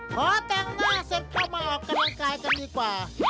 ขอแต่งหน้าเสร็จก็มาออกกำลังกายกันดีกว่า